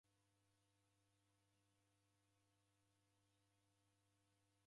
Mghenyu wapo ofuilwa.